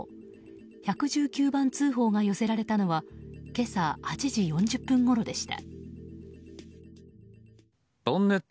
１１９番通報が寄せられたのは今朝８時４０分ごろでした。